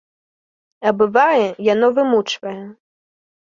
А бывае, яно вымучвае.